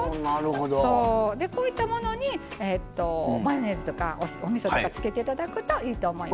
こういったものにマヨネーズとかおみそとかつけていただくといいと思います。